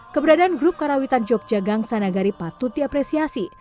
keberadaan grup karawitan jogja gang sanagari patut diapresiasi